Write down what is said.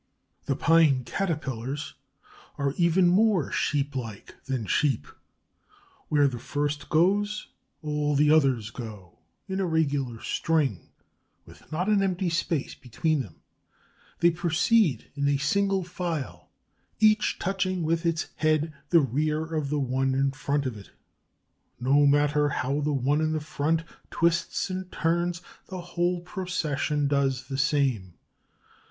The Pine Caterpillars are even more sheeplike than sheep. Where the first goes all the others go, in a regular string, with not an empty space between them. They proceed in single file, each touching with its head the rear of the one in front of it. No matter how the one in front twists and turns, the whole procession does the same.